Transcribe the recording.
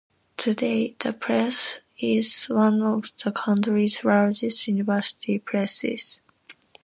Today, the press is one of the country's largest university presses.